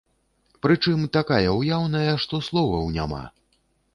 Прычым такая яўная, што словаў няма.